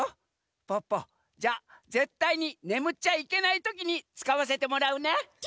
ポッポじゃあぜったいにねむっちゃいけないときにつかわせてもらうね。